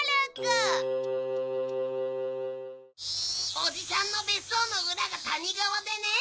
おじさんの別荘の裏が谷川でね